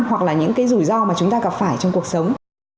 hoặc là những cái rủi ro mà chúng ta gặp phải trong cuộc sống